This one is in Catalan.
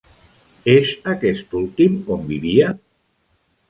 És aquest últim on vivia?